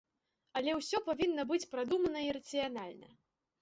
Але ўсё павінна быць прадумана і рацыянальна.